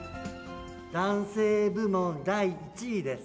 男性部門第１位です。